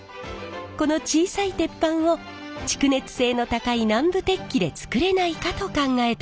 この小さい鉄板を蓄熱性の高い南部鉄器で作れないかと考えたんです。